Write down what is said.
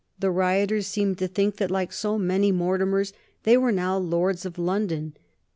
The rioters seemed to think that, like so many Mortimers, they were now Lords of London.